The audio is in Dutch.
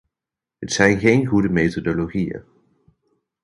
Het zijn geen goede methodologieën.